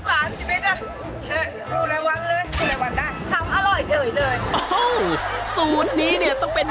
จะไม่มีเงินจะทำ